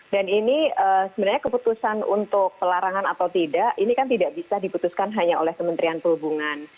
dan ini sebenarnya keputusan untuk larangan atau tidak ini kan tidak bisa diputuskan hanya oleh kementerian perhubungan